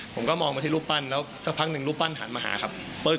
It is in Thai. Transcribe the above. ผมก็มองไปที่รูปปั้นแล้วสักพักหนึ่งรูปปั้นหันมาหาครับ